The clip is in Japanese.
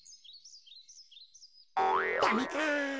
ダメか。